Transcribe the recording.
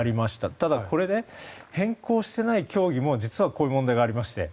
ただ、変更してない競技も実はこういう問題がありまして。